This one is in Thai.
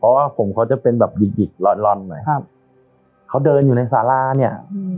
เพราะว่าผมเขาจะเป็นแบบหยิกหิกล่อนลอนหน่อยครับเขาเดินอยู่ในสาราเนี่ย